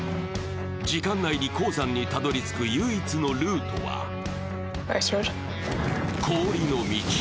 時間内に鉱山にたどり着く唯一のルートは氷の道。